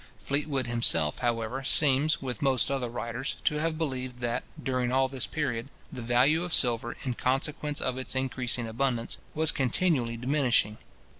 Fleetwood himself, however, seems, with most other writers, to have believed, that, during all this period, the value of silver, in consequence of its increasing abundance, was continually diminishing.